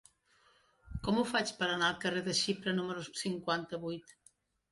Com ho faig per anar al carrer de Xipre número cinquanta-vuit?